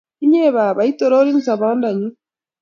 Iye baba itororin sobondanyu